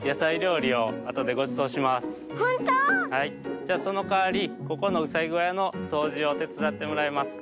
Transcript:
じゃそのかわりここのうさぎごやのそうじをてつだってもらえますか？